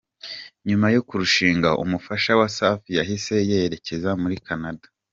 Nyuma yo kurushinga, umufasha wa Safi yahise yerekeza muri Canada.